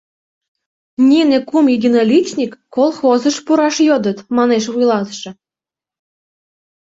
— Нине кум единоличник колхозыш пураш йодыт, — манеш вуйлатыше.